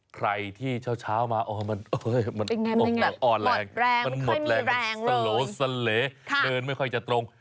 ใครที่เช้ามามันอ่อนแรงมันหมดแรงมันสโหลสเลเดินไม่ค่อยจะตรง